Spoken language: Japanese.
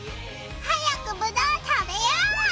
早くぶどう食べよう！